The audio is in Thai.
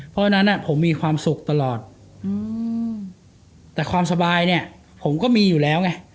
เพราะฉะนั้นผมมีความสุขตลอดแต่ความสบายเนี่ยผมก็มีอยู่แล้วไง